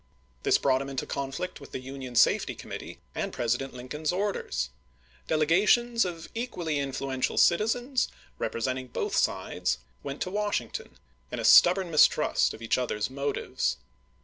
This brought him into conflict with the Union Safety Committee and President Lincoln's orders. Dele gations of equally influential citizens representing both sides went to Washington, in a stubborn mis trust of each other's motives.